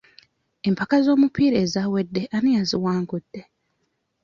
Empaka z'omupiira ezaawedde ani yaziwangudde?